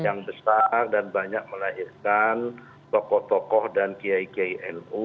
yang besar dan banyak melahirkan tokoh tokoh dan kiai kiai nu